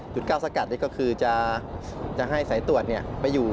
จุดก้าวสกัดนี่ก็คือจะให้สายตรวจเนี่ย